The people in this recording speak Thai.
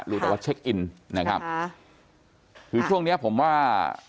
รู้แต่ว่าเช็คอินนะครับค่ะคือช่วงเนี้ยผมว่า